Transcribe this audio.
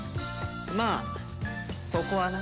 まあそこはな。